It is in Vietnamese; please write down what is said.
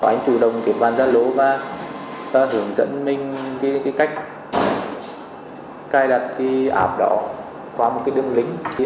anh chủ động kế hoạch giao lộ và hướng dẫn mình cách cài đặt ảp đỏ qua một đường lĩnh